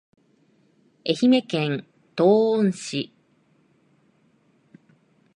愛媛県東温市